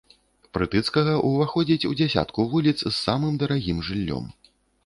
Прытыцкага ўваходзіць у дзясятку вуліц з самым дарагім жыллём.